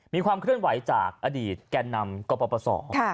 มีความเคลื่อนไหวจากอดีตแก่นำกปศ